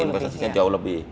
juga investasinya jauh lebih